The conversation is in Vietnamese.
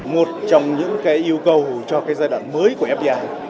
một trong những yêu cầu cho cái giai đoạn mới của fdi